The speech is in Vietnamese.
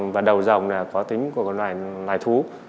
và đầu rồng là có tính của loài thú